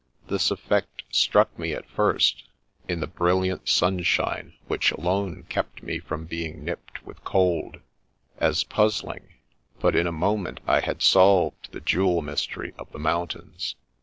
This effect struck me at first (in the brilliant sunshine which alone kept me from being nipped with cold) as puzzling, but in a moment I had solved the " jewel m3rstery" of the mountains.